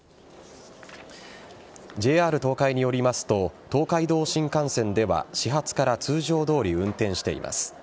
ＪＲ東海によりますと東海道新幹線では始発から通常どおり運転しています。